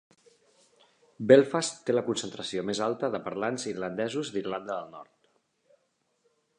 Belfast té la concentració més alta de parlants irlandesos d'Irlanda del Nord.